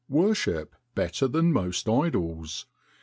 worship better than most idols.